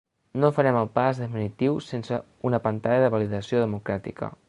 No farem el pas definitiu sense una pantalla de validació democràtica.